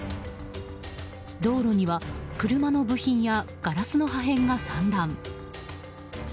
道路には車の部品やガラスの破片が散乱。